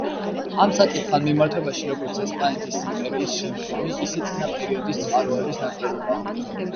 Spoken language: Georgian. ამ საკითხთან მიმართებაში, როგორც ესპანეთის იმპერიის შემდგომი, ისე წინა პერიოდის წყაროების ნაკლებობაა.